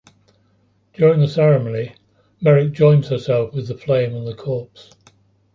During the ceremony, Merrick joins herself with the flame and the corpse.